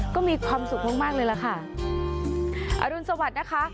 ก็มีความสุขมากมากเลยล่ะค่ะอรุณสวัสดิ์นะคะ